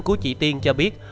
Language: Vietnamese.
của chị tiên cho biết